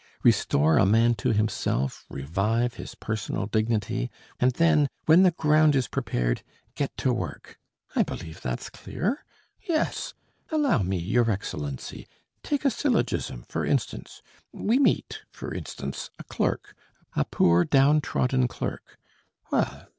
Restore a man to himself, revive his personal dignity, and then ... when the ground is prepared, get to work. I believe that's clear? Yes! Allow me, your Excellency; take a syllogism, for instance: we meet, for instance, a clerk, a poor, downtrodden clerk. 'Well